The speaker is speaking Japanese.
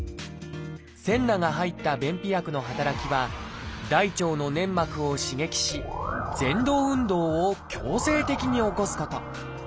センナが入った便秘薬の働きは大腸の粘膜を刺激しぜん動運動を強制的に起こすこと。